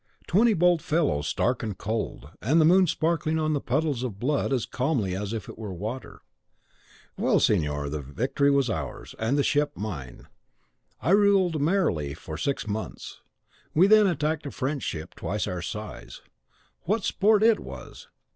Twenty bold fellows stark and cold, and the moon sparkling on the puddles of blood as calmly as if it were water. Well, signor, the victory was ours, and the ship mine; I ruled merrily enough for six months. We then attacked a French ship twice our size; what sport it was!